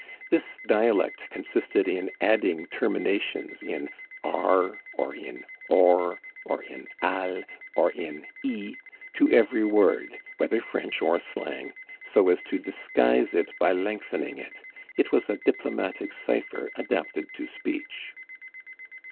This dialect consisted in adding terminations in ar or in or, or in al or in i to every word, whether French or slang, so as to disguise it by lengthening it. It was a diplomatic cipher adapted to speech.